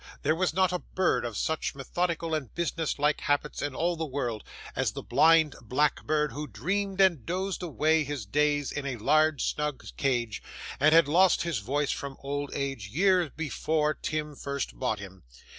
There was not a bird of such methodical and business like habits in all the world, as the blind blackbird, who dreamed and dozed away his days in a large snug cage, and had lost his voice, from old age, years before Tim first bought him.